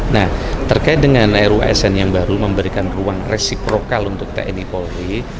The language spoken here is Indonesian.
nah terkait dengan rusn yang baru memberikan ruang resiprokal untuk tni polri